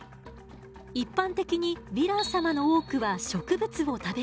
一般的にヴィラン様の多くは植物を食べるの。